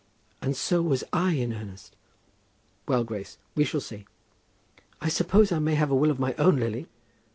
"And so was I in earnest." "Well, Grace; we shall see." "I suppose I may have a will of my own, Lily."